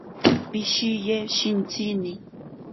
Pishiye shintsini.